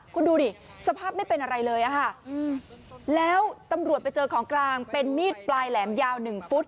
คุณดูดิสภาพไม่เป็นอะไรเลยอะค่ะแล้วตำรวจไปเจอของกลางเป็นมีดปลายแหลมยาวหนึ่งฟุต